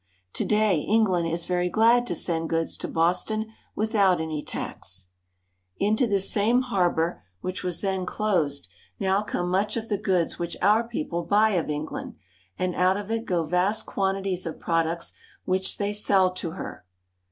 To day England is very glad to send goods to Boston without any tax. Into this same 96 BOSTON. harbor, which was then closed, now come much of the goods which our people buy of England, and out of it go vast quantities of products which they sell to her.